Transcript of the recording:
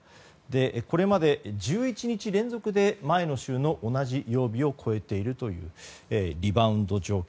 これまで１１日連続で前の週の同じ曜日を超えているというリバウンド状況。